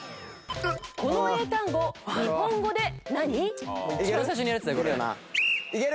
この英単語日本語で何？いける？